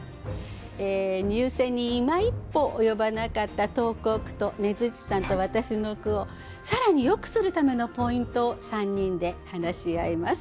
入選にいま一歩及ばなかった投稿句とねづっちさんと私の句を更によくするためのポイントを３人で話し合います。